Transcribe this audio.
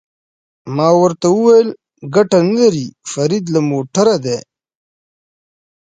ما ورته وویل: ګټه نه لري، فرید له موټره دې.